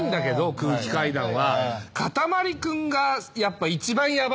空気階段は。